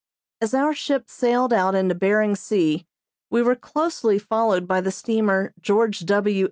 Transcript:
As our ship sailed out into Behring Sea we were closely followed by the steamer "George W.